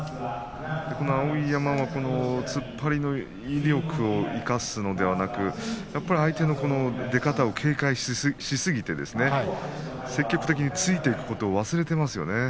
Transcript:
碧山は突っ張りの威力を生かすのではなく相手の出方を警戒しすぎて積極的に突いていくことを忘れてますよね。